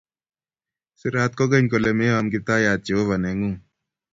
Sirat kogeny kole, Meyom Kiptaiyat Jehovah neng'ung'.